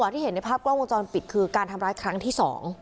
ที่เห็นในภาพกล้องวงจรปิดคือการทำร้ายครั้งที่๒